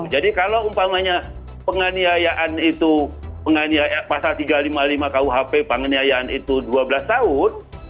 jadi kalau umpamanya penganiayaan itu pasal tiga ratus lima puluh lima kuhp penganiayaan itu dua belas tahun